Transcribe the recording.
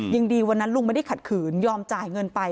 ยังดีวันนั้นลุงไม่ได้ขัดขืนยอมจ่ายเงินไป